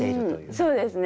そうですね。